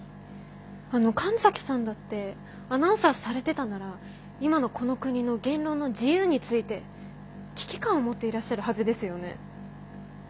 あの神崎さんだってアナウンサーされてたなら今のこの国の言論の自由について危機感を持っていらっしゃるはずですよね？